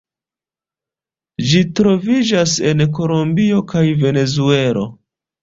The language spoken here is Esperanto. Ĝi troviĝas en Kolombio kaj Venezuelo.